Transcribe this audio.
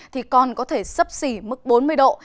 thì còn có thể sấp xỉ mức bốn mươi độ